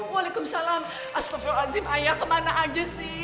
waalaikumsalam astagfirullahaladzim ayah kemana aja sih